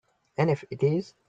And if it is?